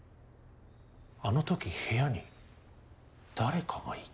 あのとき部屋に誰かがいた。